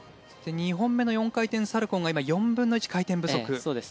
２本目の４回転サルコウが４分の１回転不足。